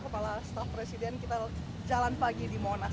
kepala staf presiden kita jalan pagi di monas